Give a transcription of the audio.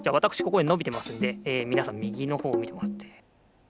ここでのびてますんでみなさんみぎのほうみてもらって。